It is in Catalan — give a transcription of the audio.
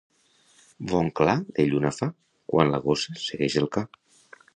Bon clar de lluna fa, quan la gossa segueix el ca.